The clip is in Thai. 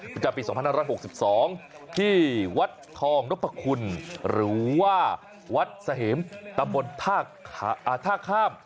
มันจะปิด๒๑๖๒ที่วัดทองนกประคุณหรือว่าวัดสะเห็มตะบนท่าข้าม